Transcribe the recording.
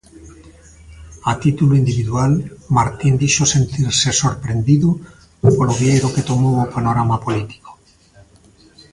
A título individual, Martín dixo sentirse "sorprendido" polo vieiro que tomou o panorama político.